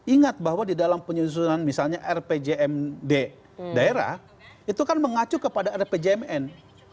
ingat bahwa di dalam penyusunan misalnya rpjmd daerah itu kan mengacu kepada rpjmn